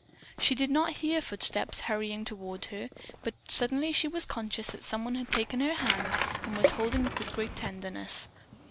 She did not hear footsteps hurrying toward her, but suddenly she was conscious that someone had taken her hand and was holding it with great tenderness.